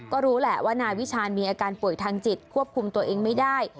ก็รู้แหละว่านายวิชาญมีอาการป่วยทางจิตควบคุมตัวเองไม่ได้